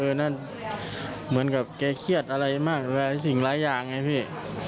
นั่นเหมือนกับแกเครียดอะไรมากหลายสิ่งหลายอย่างไงพี่